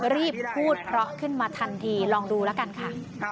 รีบพูดเพราะขึ้นมาทันทีลองดูแล้วกันค่ะ